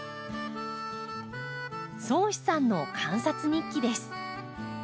蒼士さんの観察日記です。